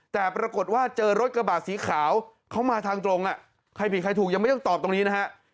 แต่ปรากฏว่าเจอรถกระบาดสีขาวเข้ามาทางตรงใครผิดใครถูกยังไม่ต้องตอบตรงนี้นะฮะ